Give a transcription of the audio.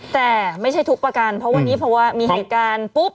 แต่ไม่ใช่ทุกประกันเพราะวันนี้เพราะว่ามีเหตุการณ์ปุ๊บ